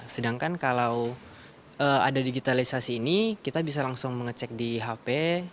sedangkan kalau ada digitalisasi ini kita bisa langsung mengecek di hp